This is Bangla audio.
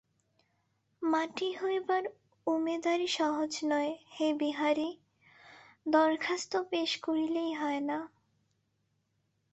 মাটি হইবার উমেদারি সহজ নয় হে বিহারী, দরখাস্ত পেশ করিলেই হয় না।